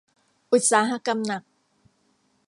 อุตสาหกรรมหนัก